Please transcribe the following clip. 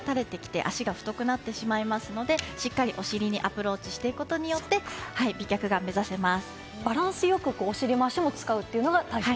そうするとお尻が垂れてきて脚が太くなってしまいますので、しっかりお尻にアプローチしていくことによって、美脚が目指せます。